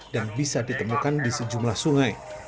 dan bisa ditemukan di sejumlah sungai